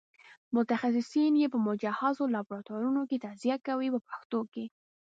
متخصصین یې په مجهزو لابراتوارونو کې تجزیه کوي په پښتو کې.